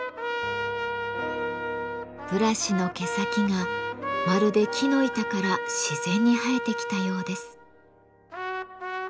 ブラシの毛先がまるで木の板から自然に生えてきたようです。